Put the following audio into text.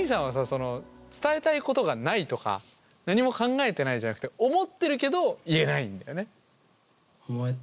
その伝えたいことがないとか何も考えてないじゃなくて思ってるけど言えないんだよね。